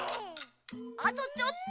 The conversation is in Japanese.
あとちょっと。